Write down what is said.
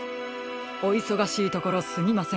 おいそがしいところすみません。